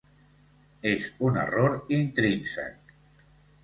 És un error intrínsec.